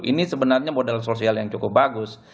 ini sebenarnya modal sosial yang cukup bagus